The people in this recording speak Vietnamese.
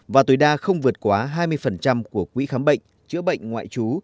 và tối đa không vượt quá hai mươi của quỹ khám bệnh chữa bệnh ngoại trú